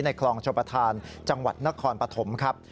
ในคลองชบทานจังหวัดนครปฐมครับ